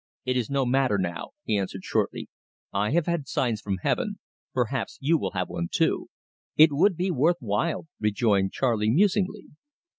"It is no matter now," he answered shortly. "I have had signs from Heaven; perhaps you will have one too!" "It would be worth while," rejoined Charley musingly.